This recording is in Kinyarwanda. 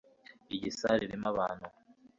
Iyi salle irimo abantu